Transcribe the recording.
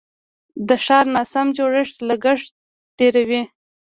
د ښار ناسم جوړښت لګښت ډیروي.